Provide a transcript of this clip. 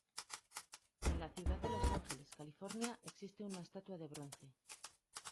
En la ciudad de Los Ángeles, California existe una estatua de bronce.